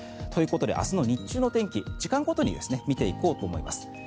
ということで明日の日中の天気時間ごとに見ていこうと思います。